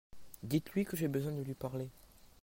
Dites-lui que j'ai besoin de lui parler.